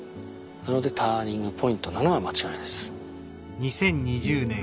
ターニングポイントなのは間違いないです。